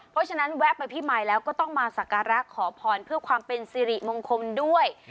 เพราะฉะนั้นแวะไปพี่มายแล้วก็ต้องมาสักการะขอพรเพื่อความเป็นสิริมงคลด้วย